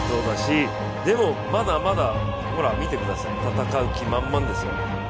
でも、まだまだほら、見てください戦う気満々ですよ。